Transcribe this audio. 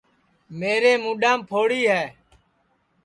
میرے موڈام پھوڑی ہے